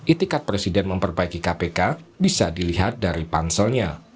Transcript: itikat presiden memperbaiki kpk bisa dilihat dari panselnya